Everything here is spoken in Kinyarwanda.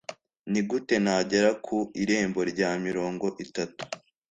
nigute nagera ku irembo rya mirongo itatu